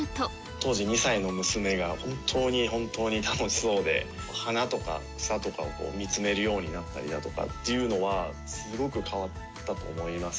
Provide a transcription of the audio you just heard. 当時２歳の娘が、本当に本当に楽しそうで、花とか草とかを見つめるようになったりだとかっていうのは、すごく変わったと思います。